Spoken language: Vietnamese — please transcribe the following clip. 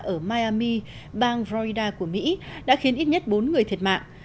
ở miyami bang florida của mỹ đã khiến ít nhất bốn người thiệt mạng